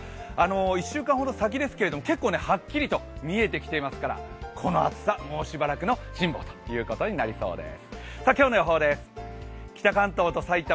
１週間ほど先ですけれども、結構はっきりと見えてきていますから、この暑さ、もうしばらくの辛抱ということになりそうです。